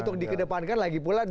untuk di kedepankan lagi pula